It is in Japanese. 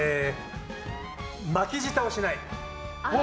巻き舌をしない。